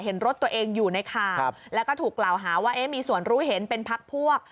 เห็นรถตัวเองอยู่ในข่าวแล้วก็ถูกกล่าวหาว่ามีส่วนรู้เห็นเป็นพักพวก